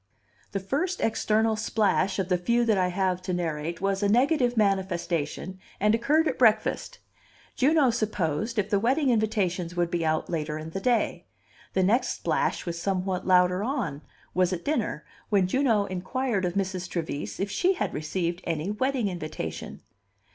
The first external splash of the few that I have to narrate was a negative manifestation, and occurred at breakfast: Juno supposed if the wedding invitations would be out later in the day. The next splash was somewhat louder on, was at dinner, when Juno inquired of Mrs. Trevise if she had received any wedding invitation.